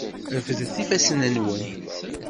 Refdet ifassen-nwen!